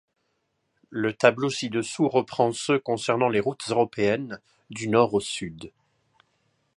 Le tableau ci-dessous reprend ceux concernant les routes européennes, du nord au sud.